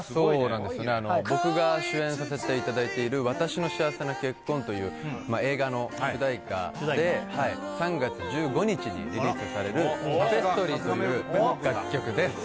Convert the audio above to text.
僕が主演させていただいている「わたしの幸せな結婚」という映画の主題歌で３月１５日にリリースされる「タペストリー」という楽曲です